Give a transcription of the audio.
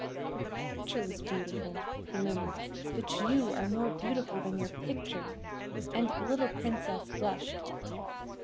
"Your picture was beautiful," he murmured, "but you are more beautiful than your picture;" and the little Princess blushed.